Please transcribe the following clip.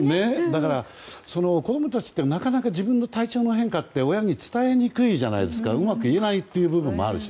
だから子供たちってなかなか自分の体調変化って親に伝えにくいじゃないですかうまく言えない部分もあるし。